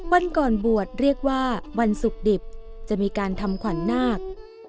วันก่อนบวชเรียกว่าวันศุกร์ดิบจะมีการทำขวัญนาค